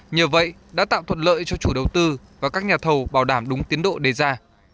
nhờ vậy đã tạo thuận lợi cho chủ đầu tư và các nhà thầu bảo đảm đúng tiến độ đề ra